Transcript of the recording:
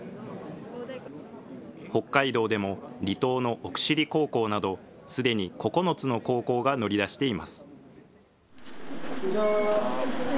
北海道でも、離島の奥尻高校など、すでに９つの高校が乗り出しています。